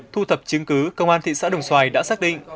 thu thập chứng cứ công an thị xã đồng xoài đã xác định